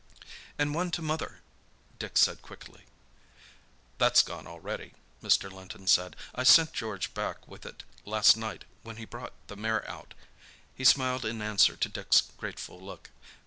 "And one to mother," Dick said quickly. "That's gone already," Mr. Linton said. "I sent George back with it last night when he brought the mare out." He smiled in answer to Dick's grateful look.